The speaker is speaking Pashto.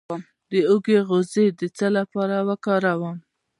د هوږې غوړي د څه لپاره وکاروم؟